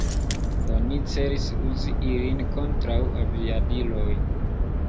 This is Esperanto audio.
Oni celis uzi ilin kontraŭ aviadiloj.